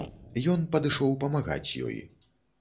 Ён падышоў памагаць ёй.